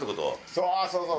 そうそうそう。